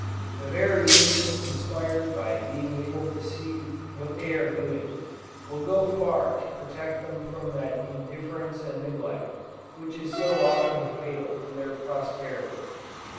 The very interest inspired by being able to see what they are doing, will go far to protect them from that indifference and neglect, which is so often fatal to their prosperity.